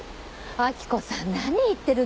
明子さん何言ってるの。